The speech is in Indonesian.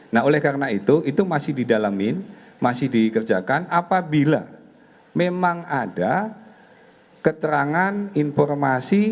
nah oleh karena itu itu masih didalamin masih dikerjakan apabila memang ada keterangan informasi